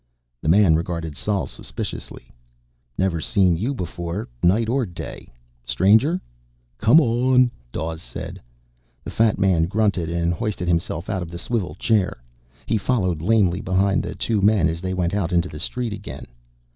The man regarded Sol suspiciously. "Never seen you before. Night or day. Stranger?" "Come on!" Dawes said. The fat man grunted and hoisted himself out of the swivel chair. He followed lamely behind the two men as they went out into the street again.